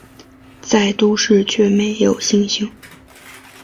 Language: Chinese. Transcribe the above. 在都市却没有星星